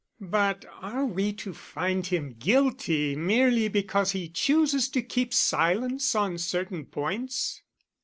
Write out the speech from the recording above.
"But are we to find him guilty merely because he chooses to keep silence on certain points?"